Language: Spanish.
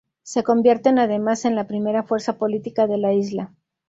Se convierten además en la primera fuerza política de la isla.